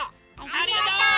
ありがとう！